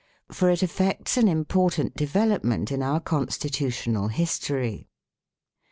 For it affects an important development in our constitutional history.